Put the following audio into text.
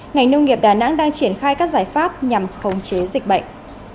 ngành nông nghiệp đà nẵng đang triển khai các giải pháp nhằm khống chế dịch bệnh